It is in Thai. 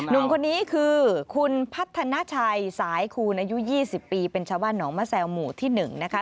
หนุ่มคนนี้คือคุณพัฒนาชัยสายคูณอายุ๒๐ปีเป็นชาวบ้านหนองมะแซวหมู่ที่๑นะคะ